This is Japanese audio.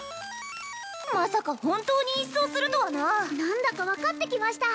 まさか本当に一掃するとはな何だか分かってきました